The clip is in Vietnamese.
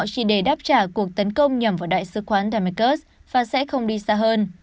chỉ để đáp trả cuộc tấn công nhằm vào đại sứ quán demicus và sẽ không đi xa hơn